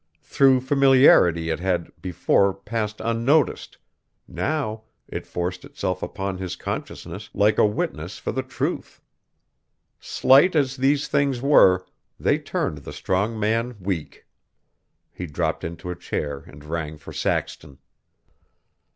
Through familiarity it had, before, passed unnoticed, now it forced itself upon his consciousness like a witness for the truth! Slight as these things were, they turned the strong man weak. He dropped into a chair and rang for Saxton.